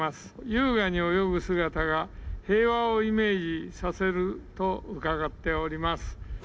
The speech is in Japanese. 優雅に泳ぐ姿が平和をイメージさせると伺っております。